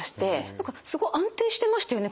何かすごい安定してましたよね